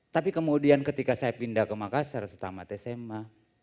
tapi kemudian ketika saya pindah ke makassar setamat sma